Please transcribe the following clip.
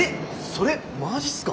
それマジっすか？